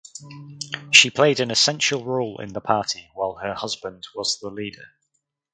She played an essential role in the party while her husband was the leader.